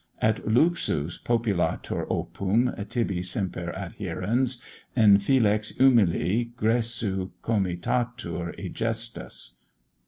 Et Luxus, populator Opum, tibi semper adhaerens, Infelix humili gressu comitatur Egestas.